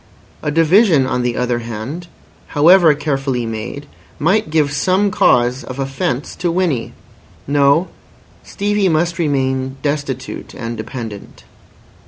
A division, on the other hand, however carefully made, might give some cause of offence to Winnie. No, Stevie must remain destitute and dependent.